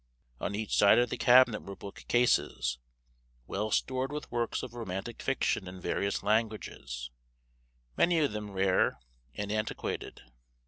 On each side of the cabinet were book cases, well stored with works of romantic fiction in various languages, many of them rare and antiquated.